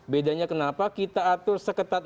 bedanya kenapa kita atur seketat